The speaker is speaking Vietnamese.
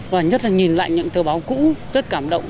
và nhất là nhìn lại những tờ báo cũ rất cảm động